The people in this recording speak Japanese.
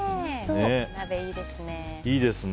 鍋、いいですね。